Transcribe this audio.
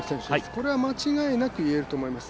これは間違いなく言えると思います。